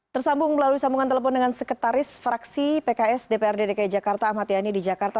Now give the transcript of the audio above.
tersambung melalui sambungan telepon dengan sekretaris fraksi pks dprd dki jakarta ahmad yani di jakarta